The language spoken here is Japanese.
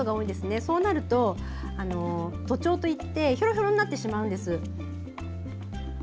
そうなると、徒長といってひょろひょろになるんです。